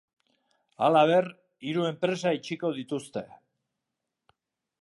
Halaber, hiru enpresa itxiko dituzte.